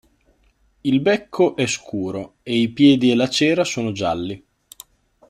Il becco è scuro e i piedi e la cera sono gialli.